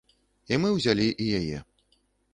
І мы ўзялі і яе.